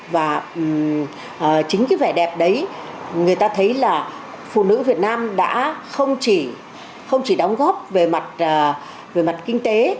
và chính cái vẻ đẹp đấy người ta thấy là phụ nữ việt nam đã không chỉ đóng góp về mặt về mặt kinh tế